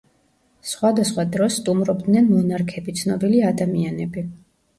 სხვადასხვა დროს სტუმრობდნენ მონარქები, ცნობილი ადამიანები.